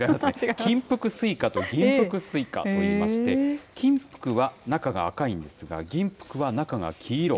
金福すいかと銀福すいかといいまして、きんぷくは中が赤いんですが、ぎんぷくは中が黄色。